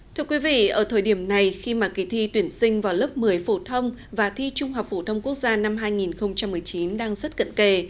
thưa quý vị ở thời điểm này khi mà kỳ thi tuyển sinh vào lớp một mươi phổ thông và thi trung học phổ thông quốc gia năm hai nghìn một mươi chín đang rất cận kề